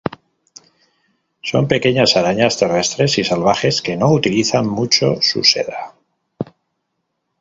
Son pequeñas arañas terrestres y salvajes que no utilizan mucho su seda.